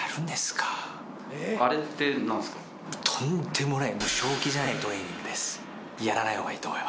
とんでもない。